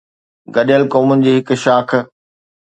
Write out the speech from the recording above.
گڏيل قومن جي هڪ شاخ